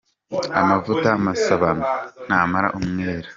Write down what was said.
Amavuta masabano ntamara umwera.